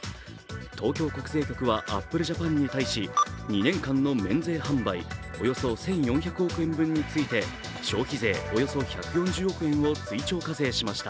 東京国税局はアップルジャパンに対し、２年間の免税販売、およそ１４００億円分について消費税、およそ１４０億円を追徴課税しました。